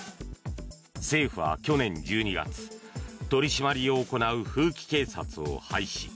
政府は去年１２月取り締まりを行う風紀警察を廃止。